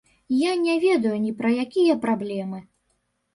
Я не ведаю ні пра якія праблемы!